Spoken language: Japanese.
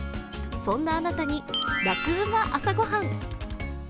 そんなあなたに「ラクうま！朝ごはん」。